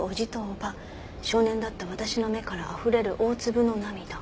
「少年だった私の目から溢れる大粒の涙」